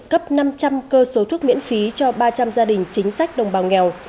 cấp năm trăm linh cơ số thuốc miễn phí cho ba trăm linh gia đình chính sách đồng bào nghèo